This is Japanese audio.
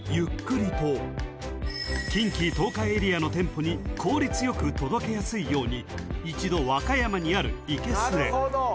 ［近畿・東海エリアの店舗に効率良く届けやすいように一度和歌山にあるいけすへ］